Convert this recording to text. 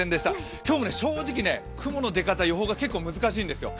今日も正直、雲の出方の予報が難しいんですよ。